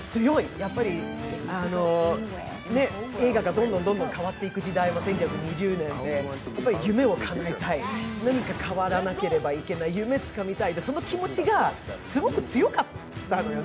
やっぱり映画がどんどん変わっていく時代、１９２０年で夢をかなえたい、何か変わらなければいけない、夢をつかみたいっていう気持ちがすごく強かったのよね。